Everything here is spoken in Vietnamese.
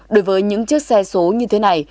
đối với những chiếc xe số như thế này